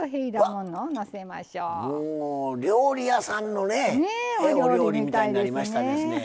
もう料理屋さんのねお料理みたいになりましたですね。